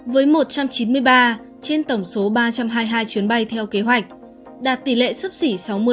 với một trăm chín mươi ba trên tổng số ba trăm hai mươi hai chuyến bay theo kế hoạch đạt tỷ lệ sấp xỉ sáu mươi